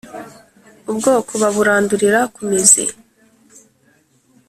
ubwoko baburandurira ku muzi